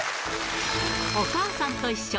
おかあさんといっしょ